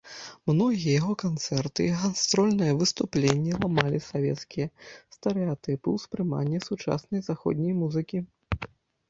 Многія яго канцэрты і гастрольныя выступленні ламалі савецкія стэрэатыпы ўспрымання сучаснай заходняй музыкі.